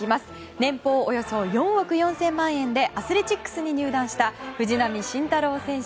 年俸およそ４億４０００万円でアスレチックスに入団した藤浪晋太郎選手。